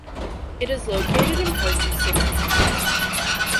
It is located in parts of six counties.